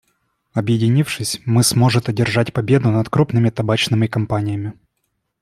Объединившись, мы сможет одержать победу над крупными табачными компаниями.